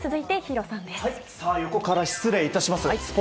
横から失礼します。